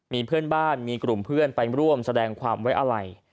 มีเพื่อนบ้านมีกลุ่มเพื่อนไปร่วมแสดงความไว้อะไร